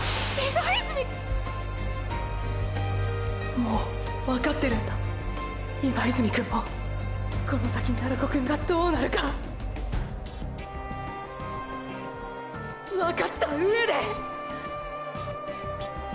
もうわかってるんだ今泉くんもーーこの先鳴子くんがどうなるかわかった上でーー！！